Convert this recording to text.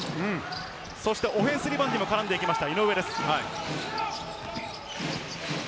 オフェンスリバウンドにも絡んでいきました、井上です。